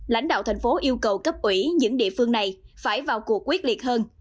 lãnh đạo thành phố yêu cầu cấp ủy những địa phương này phải vào cuộc quyết liệt hơn